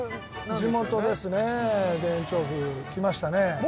地元ですね田園調布来ましたね。